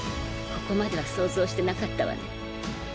ここまでは想像してなかったわね。